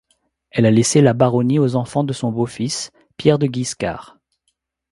Elle a laissé la baronnie aux enfants de son beau-fils Pierre de Guiscard.